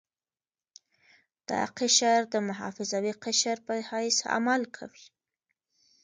دا قشر د محافظوي قشر په حیث عمل کوي.